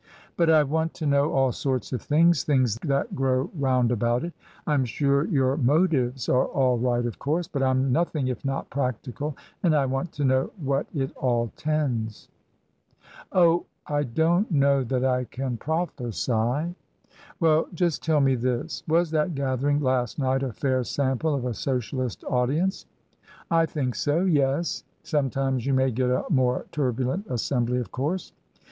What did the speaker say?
" But I want to know all sorts of things — things that grow round about it. Fm sure your motives are all right, of course. But Tm nothing if not practical, and I want to know to what it all tends ?"" Oh ! I don't know that I can prophesy." TRANSITION. \yj "Well, just tell me this. Was that gathering last night a fair sample of a Socialist audience ?"" I think so — ^yes. Sometimes you may get a more turbulent assembly, of course."